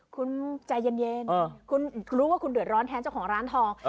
คุณใจเย็นคุณรู้ว่าคุณเดือดร้อนแทนเจ้าของร้านทอง